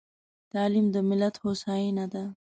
تعليم د ملت هوساينه ده.